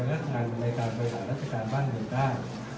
แสนการในการประหลาดรัฐกาลบ้านเหนือกล้าง